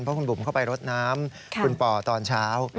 เพราะคุณบุ๋มเข้าไปรดน้ำคุณป่อตอนเช้า